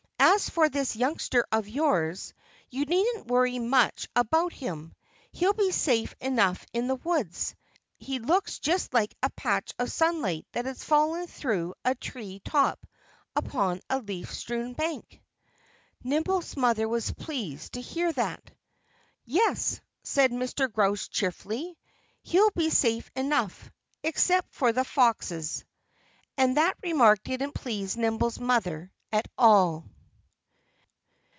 "And as for this youngster of yours, you needn't worry much about him. He'll be safe enough in the woods. He looks just like a patch of sunlight that has fallen through a tree top upon a leaf strewn bank." Nimble's mother was pleased to hear that. "Yes!" said Mr. Grouse cheerfully. "He'll be safe enough except for the Foxes." And that remark didn't please Nimble's mother at all.